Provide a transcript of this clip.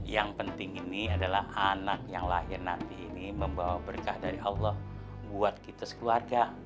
yang penting ini adalah anak yang lahir nanti ini membawa berkah dari allah buat kita sekeluarga